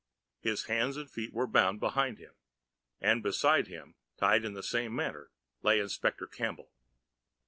His hands and feet were bound behind him, and beside him, tied in the same manner, lay Inspector Campbell.